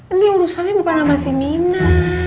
ini urusannya bukan sama si mina